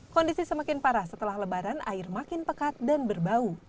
kondisi semakin parah setelah lebaran air makin pekat dan berbau